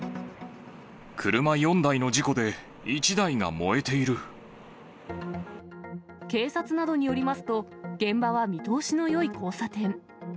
車４台の事故で、１台が燃え警察などによりますと、現場は見通しのよい交差点。